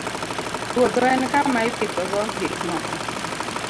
Puodho en kama ipidhogo gik moko